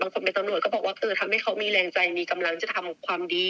คนเป็นตำรวจก็บอกว่าคือทำให้เขามีแรงใจมีกำลังจะทำความดี